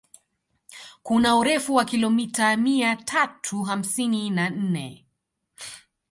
Kuna urefu wa kilomita mia tatu hamsini na nne